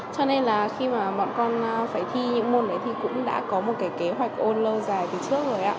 cho nên là khi mà bọn con phải thi những môn đấy thì cũng đã có một cái kế hoạch ôn lâu dài từ trước rồi ạ